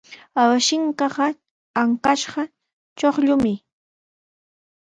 Awashinkaqa ankashqa chuqllumi.